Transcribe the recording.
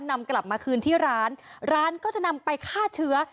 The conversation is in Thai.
นำกลับมาคืนที่ร้านร้านก็จะนำไปฆ่าเชื้อ